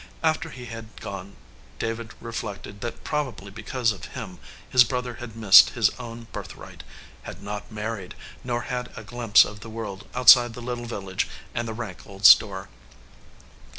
After he had gone David reflected that probably because of him his brother had missed his own birthright; had not married, nor had a glimpse of the world outside the little village and the rank old store.